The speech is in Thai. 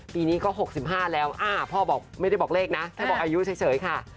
ปีนี้ก็๖๕แล้วพ่อบอกไม่ได้บอกเลขนะแค่บอกอายุเฉยค่ะ